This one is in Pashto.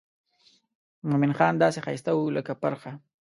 مومن خان داسې ښایسته و لکه پرخه.